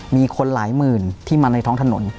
มีคนหลายหมื่นที่มาในท้องถนน